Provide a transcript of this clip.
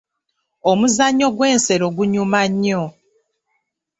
Muzannyo gw'ensero gunyuma nnyo.